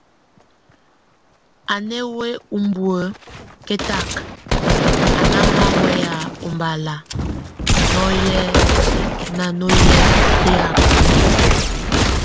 A ná wíy umbue kɛtak, a náha way ómbala nɔ́ye nanɔ́yek, éyaka mɛkɔ.